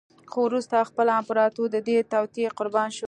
خو وروسته خپله امپراتور د دې توطیې قربا شو